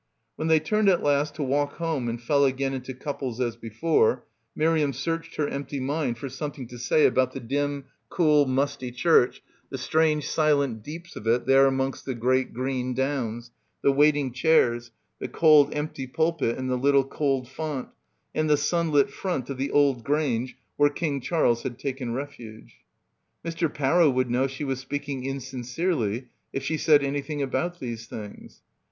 When they turned at last to walk home and fell again into couples as before, Miriam searched her empty mind for something to say about the dim, cool musty church, the strange silent deeps of it there amongst the great green downs, the waiting chairs, the cold empty pulpit and the little cold font, and the sunlit front of the old Grange where King Charles had taken refuge. Mr. Parrow would know she was speaking in sincerely if she said anything about these things.